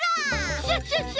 クシャシャシャ！